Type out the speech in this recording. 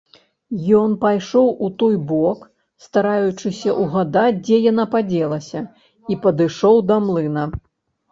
Ён пайшоў у той бок, стараючыся ўгадаць, дзе яна падзелася, і падышоў да млына.